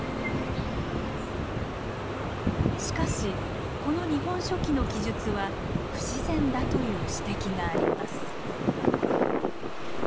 しかしこの「日本書紀」の記述は不自然だという指摘があります。